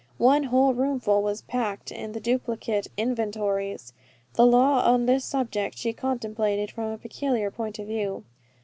One whole roomful was packed in the duplicate inventories. The law on this subject she contemplated from a peculiar point of view.